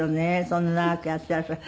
そんな長くやっていらしたら。